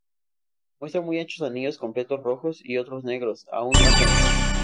Muestra muy anchos anillos completos rojos y otros negros aún más anchos.